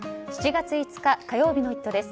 ７月５日火曜日の「イット！」です。